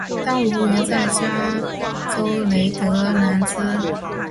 当奴云在加州雷德兰兹。